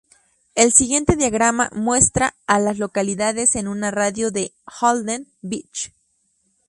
El siguiente diagrama muestra a las localidades en un radio de de Holden Beach.